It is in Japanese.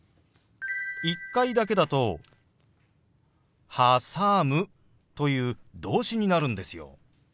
１回だけだと「はさむ」という動詞になるんですよ。